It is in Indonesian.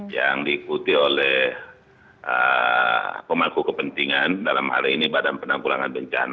yang diikuti oleh pemangku kepentingan dalam hal ini badan penanggulangan bencana